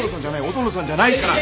音野さんじゃないから！